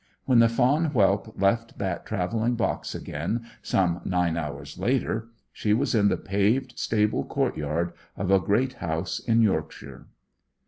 When the fawn whelp left that travelling box again, some nine hours later, she was in the paved stable courtyard of a great house in Yorkshire.